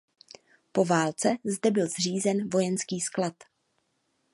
Po válce zde byl zřízen vojenský sklad.